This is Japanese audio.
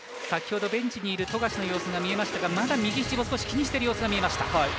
先ほどベンチにいる富樫の様子が見えましたがまだ右肘を少し気にしてる様子が見えました。